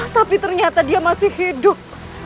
tapi ternyata dia masih hidup